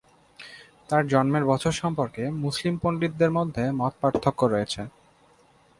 তার জন্মের বছর সম্পর্কে মুসলিম পণ্ডিতদের মধ্যে মতপার্থক্য রয়েছে।